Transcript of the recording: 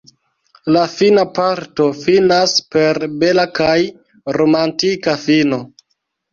La fina parto finas per bela kaj romantika fino.